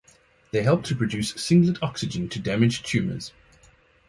They help to produce singlet oxygen to damage tumours.